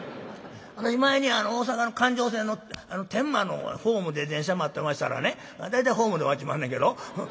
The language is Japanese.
私前に大阪の環状線に乗って天満のホームで電車待ってましたらね大体ホームで待ちまんねんけど。